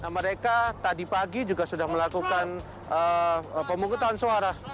mereka tadi pagi juga sudah melakukan pemungutan suara